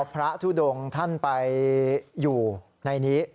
พระทุดงท่านไปอยู่ในนี้